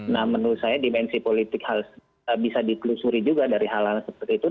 nah menurut saya dimensi politik harus bisa ditelusuri juga dari hal hal seperti itu